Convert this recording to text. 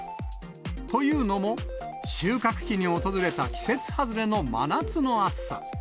というのも、収穫期に訪れた季節外れの真夏の暑さ。